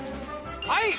はい！